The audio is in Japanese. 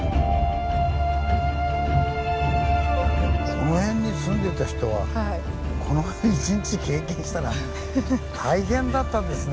この辺に住んでた人はこの日１日経験したら大変だったですね。